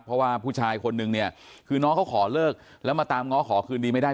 เพราะว่าผู้ชายคนนึงเนี่ยคือน้องเขาขอเลิกแล้วมาตามง้อขอคืนดีไม่ได้